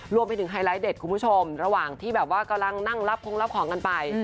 ไฮไลท์เด็ดคุณผู้ชมระหว่างที่แบบว่ากำลังนั่งรับคงรับของกันไป